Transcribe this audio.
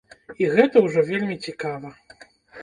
І гэта ўжо вельмі цікава.